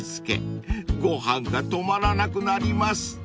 ［ご飯が止まらなくなります］